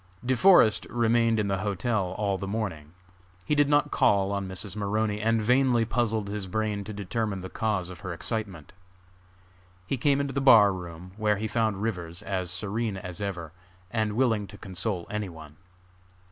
De Forest remained in the hotel all the morning. He did not call on Mrs. Maroney, and vainly puzzled his brain to determine the cause of her excitement. He came into the bar room, where he found Rivers, as serene as ever, and willing to console any one.